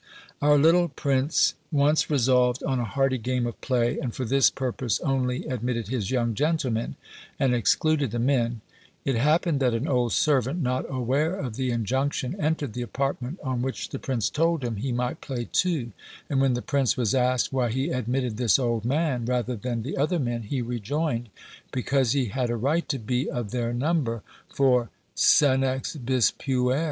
Our little prince once resolved on a hearty game of play, and for this purpose only admitted his young gentlemen, and excluded the men: it happened that an old servant, not aware of the injunction, entered the apartment, on which the prince told him he might play too; and when the prince was asked why he admitted this old man rather than the other men, he rejoined, "Because he had a right to be of their number, for Senex bis puer."